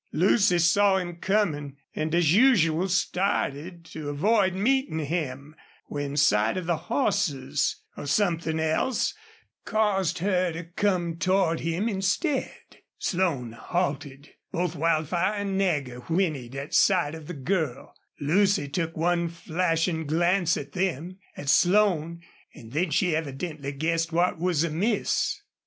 Lucy saw him coming, and, as usual, started to avoid meeting him, when sight of the horses, or something else, caused her to come toward him instead. Slone halted. Both Wildfire and Nagger whinnied at sight of the girl. Lucy took one flashing glance at them, at Slone, and then she evidently guessed what was amiss.